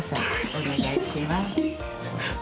お願いします。